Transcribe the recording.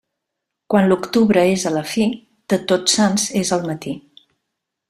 Quan l'octubre és a la fi, de Tots Sants és el matí.